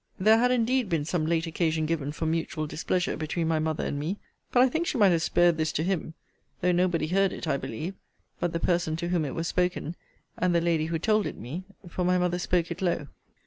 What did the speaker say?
There had indeed been some late occasion given for mutual displeasure between my mother and me: but I think she might have spared this to him; though nobody heard it, I believe, but the person to whom it was spoken, and the lady who told it me; for my mother spoke it low.